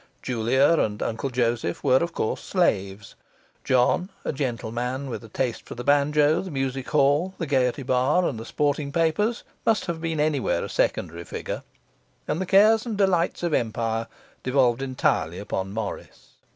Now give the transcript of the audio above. Julia and Uncle Joseph were, of course, slaves; John, a gentle man with a taste for the banjo, the music hall, the Gaiety bar, and the sporting papers, must have been anywhere a secondary figure; and the cares and delights of empire devolved entirely upon Morris.